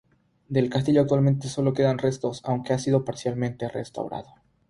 Del castillo actualmente sólo quedan restos, aunque ha sido parcialmente restaurado.